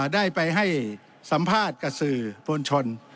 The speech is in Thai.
ได้ไปให้สัมภาษณ์กับสื่อมวลชน